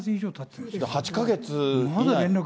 ８か月。